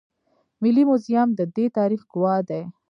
ملي موزیم د دې تاریخ ګواه دی